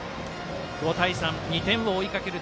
５対３２点を追いかける